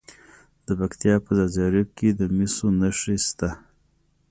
د پکتیا په ځاځي اریوب کې د مسو نښې شته.